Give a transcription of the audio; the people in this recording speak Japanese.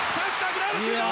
グラウのシュート！